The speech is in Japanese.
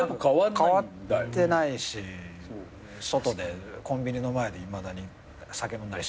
変わってないし外でコンビニの前でいまだに酒飲んだりしたりして。